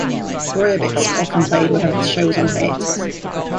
"Breuer Bits" were often played whenever the show was on hiatus.